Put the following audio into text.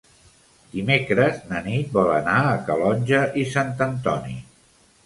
Dimecres na Nit vol anar a Calonge i Sant Antoni.